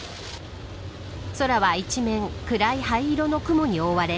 空は一面、暗い灰色の雲に覆われ